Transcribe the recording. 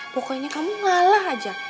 pokoknya kamu ngalah aja